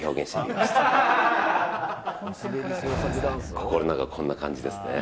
心の中、こんな感じですね。